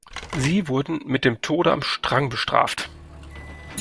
Sie wurden mit dem Tode am Strang bestraft.